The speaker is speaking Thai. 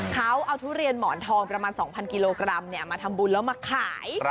เขาเอาทุเรียนหมอนทองประมาณ๒๐๐กิโลกรัมมาทำบุญแล้วมาขาย